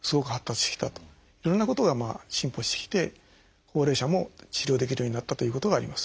いろんなことが進歩してきて高齢者も治療できるようになったということがあります。